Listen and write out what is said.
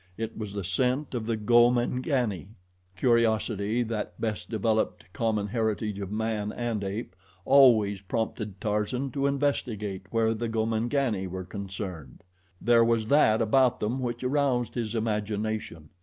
It was the scent of the Gomangani. Curiosity, that best developed, common heritage of man and ape, always prompted Tarzan to investigate where the Gomangani were concerned. There was that about them which aroused his imagination.